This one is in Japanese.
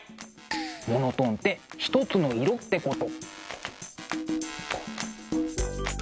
モノトーンってひとつの色ってこと。